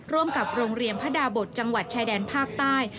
ร่วมกับโรงเรียนพระดาบทจังหวัดชายแดนภาคใต้